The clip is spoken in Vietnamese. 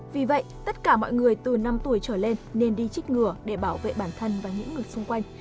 vì vậy tất cả mọi người từ năm tuổi trở lên nên đi trích ngừa để bảo vệ bản thân và những người xung quanh